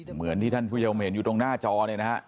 เหมือนที่ท่านพุยะอมเห็นอยู่ตรงหน้าจอเลยนะครับ